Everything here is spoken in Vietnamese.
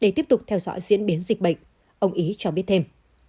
để tiếp tục theo dõi diễn biến dịch bệnh ông ý cho biết thêm